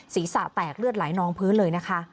ศีรษะแตกเลือดไหลนองพื้นเลยนะคะ